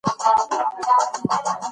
کمپیوټر به په پښتو خبرې کول زده کړي.